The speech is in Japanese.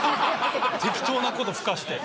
適当なこと吹かして。